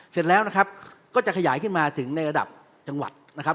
เสร็จแล้วนะครับก็จะขยายขึ้นมาถึงในระดับจังหวัดนะครับ